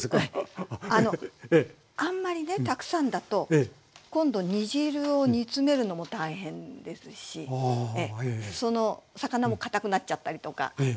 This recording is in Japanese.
あのあんまりねたくさんだと今度煮汁を煮詰めるのも大変ですしその魚もかたくなっちゃったりとかいろいろありますね。